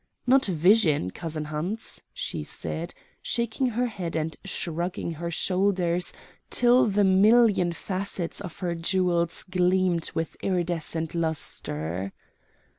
"Not vision, cousin Hans," she said, shaking her head and shrugging her shoulders till the million facets of her jewels gleamed with iridescent lustre.